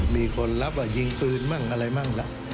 มีคนรับว่ายิงปืนมั่งอะไรมั่งละ